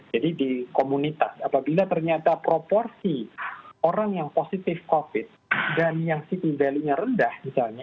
jadi di komunitas apabila ternyata proporsi orang yang positif covid dan yang cpv nya rendah misalnya